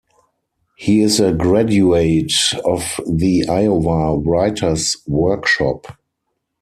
He is a graduate of the Iowa Writers Workshop.